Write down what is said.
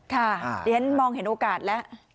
ค่ะเดี๋ยวเฮ้นมองเห็นโอกาสแล้ว